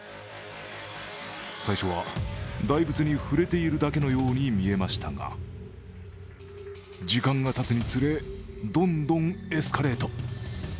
最初は大仏に触れているだけのように見えましたが、時間がたつにつれ、どんどんエスカレート。